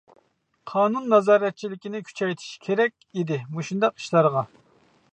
قانۇن نازارەتچىلىكنى كۈچەيتىش كېرەك ئىدى مۇشۇنداق ئىشلارغا.